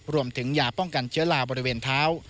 รวมถึงยาป้องกันเชื้อลาวบริเวณเท้า